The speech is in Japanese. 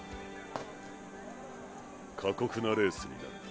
過酷なレースになるな。